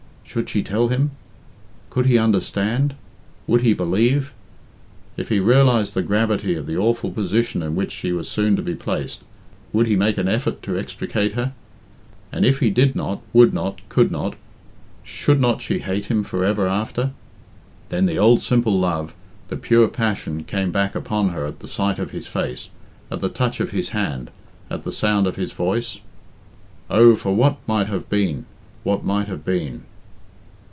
Should she tell him? Could he understand? Would he believe? If he realised the gravity of the awful position in which she was soon to be placed, would he make an effort to extricate her? And if he did not, would not, could not, should not she hate him for ever after? Then the old simple love, the pure passion, came hack upon her at the sight of his face, at the touch of his hand, at the sound of his voice? Oh, for what might have been what might have been!